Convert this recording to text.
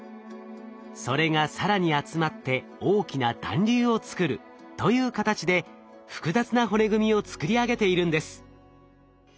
それが更に集まって大きな団粒を作るという形で複雑な骨組みを作り上げているんです。